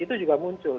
itu juga muncul